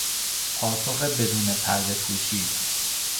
پاسخ بدون پردهپوشی